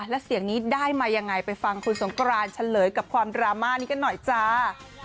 แล้วเสียงนี้ได้มายังไงไปฟังคุณสงกรานเฉลยกับความดราม่านี้กันหน่อยจ้า